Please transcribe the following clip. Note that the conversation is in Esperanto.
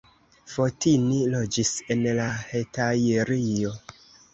Fotini loĝis en la Hetajrio.